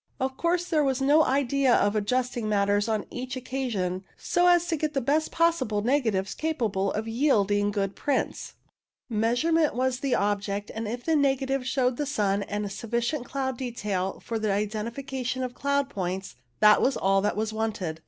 Of course, there was no idea of adjusting matters on each occa sion so as to get the best possible negatives capable of yielding good prints. Measurement was the EXETER OBSERVATIONS 143 object, and if the negative showed the sun and sufificient cloud detail for the identification of cloud points, that was all that was wanted.